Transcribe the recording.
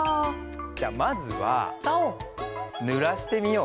じゃまずはぬらしてみよう。